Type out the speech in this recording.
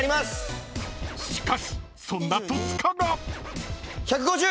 ［しかしそんな戸塚が］１５０！